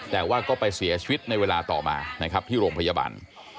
แต่ว่าก็ไปเสียชีวิตในเวลาต่อมานะครับที่โรงพยาบาล